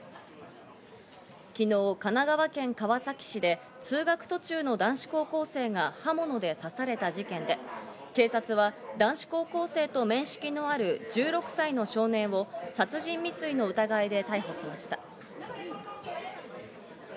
昨日、神奈川県川崎市で通学途中の男子高校生が刃物で刺された事件で、警察は男子高校生と面識のある１６歳の少年を殺人未遂の疑いで逮捕しました。